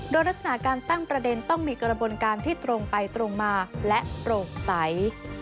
โดยลักษณะการตั้งประเด็นต้องมีกระบวนการที่ตรงไปตรงมาและโปร่งใส